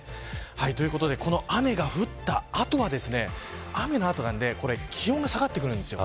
ということでこの雨が降った後は雨の後なので気温が下がってくるんです。